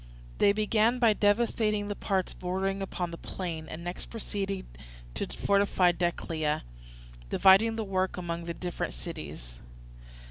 They began by devastating the parts bordering upon the plain, and next proceeded to fortify Decelea, dividing the work among the different cities.